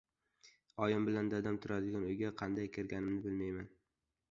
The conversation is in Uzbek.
oyim bilan dadam turadigan uyga qanday kirganimni bilmayman.